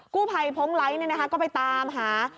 กู้ภัยพ้องไลค์เนี่ยนะคะก็ไปตามหา